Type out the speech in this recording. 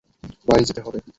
বাড়ি যেতে হবে।